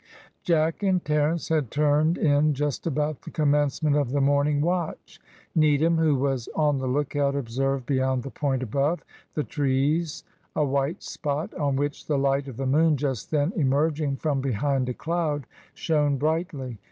Jack and Terence had turned in just about the commencement of the morning watch. Needham, who was on the lookout, observed beyond the point above the trees a white spot, on which the light of the moon, just then emerging from behind a cloud, shone brightly.